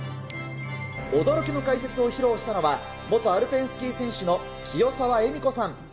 驚きの解説を披露したのは、元アルペンスキー選手の清澤恵美子さん。